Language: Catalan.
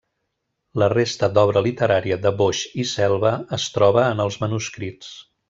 La resta d’obra literària de Boix i Selva es troba en els manuscrits.